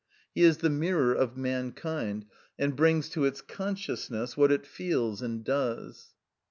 He is the mirror of mankind, and brings to its consciousness what it feels and does.